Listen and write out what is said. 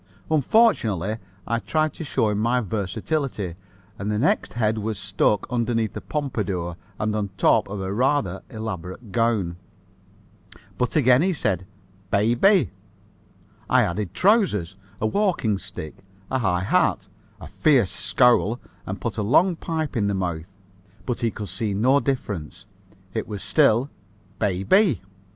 Unfortunately, I tried to show my versatility, and the next head was stuck underneath a pompadour and on top of a rather elaborate gown. But again he called it "baybay." I added trousers, a walking stick, a high hat, a fierce scowl and put a long pipe in the mouth, but he could see no difference. It was still a "baybay."